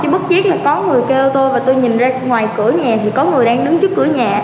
bất chết là có người kêu tôi và tôi nhìn ra ngoài cửa nhà thì có người đang đứng trước cửa nhà